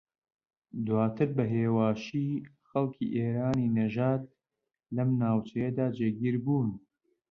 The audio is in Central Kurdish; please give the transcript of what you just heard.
دواتر بە ھێواشی خەڵکی ئێرانی نەژاد لەم ناوچەیەدا جێگیر بوون